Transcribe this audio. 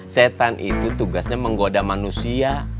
setan itu tugasnya menggoda manusia